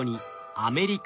「アメリカ」